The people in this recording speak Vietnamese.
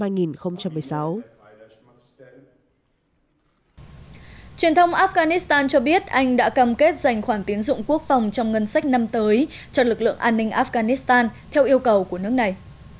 truyền thông afghanistan cho biết anh đã cam kết dành khoản tiến dụng quốc phòng trong ngân sách năm tới cho lực lượng an ninh afghanistan theo yêu cầu của nước này